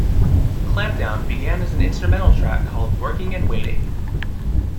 "Clampdown" began as an instrumental track called "Working and Waiting".